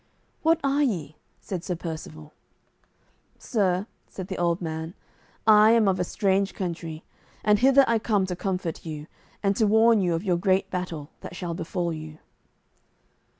"What are ye?" said Sir Percivale. "Sir," said the old man, "I am of a strange country, and hither I come to comfort you, and to warn you of your great battle that shall befall you."